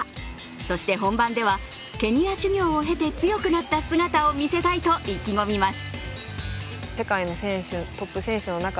そして本番ではケニア修行を経て強くなった姿を見せたいと意気込みます。